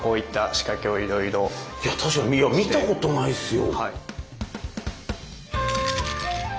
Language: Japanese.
いや確かに見たことないですよ。